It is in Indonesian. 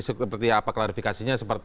seperti apa klarifikasinya